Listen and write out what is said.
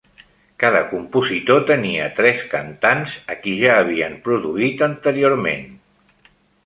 Cada compositor tenia tres cantants a qui ja havien produït anteriorment.